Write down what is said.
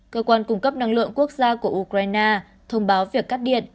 cơ quan cung cấp năng lượng quốc gia của ukraine thông báo việc cắt điện